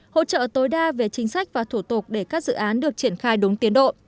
hỗ trợ tối đa về chính sách và thủ tục để các dự án được triển khai đúng tiến độ